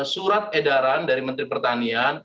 surat edaran dari menteri pertanian